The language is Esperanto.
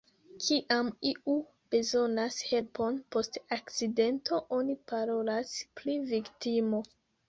Kiam iu bezonas helpon post akcidento, oni parolas pri viktimo.